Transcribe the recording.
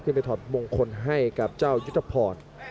ไปถอดมงคลให้กับเจ้ายุทธพร